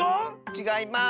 ちがいます！